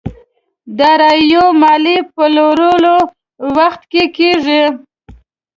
داراییو ماليې پلورلو وخت کې کېږي.